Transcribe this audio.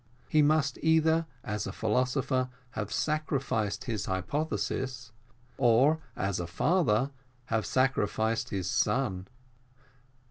He must either, as a philosopher, have sacrificed his hypothesis, or, as a father, have sacrificed his son.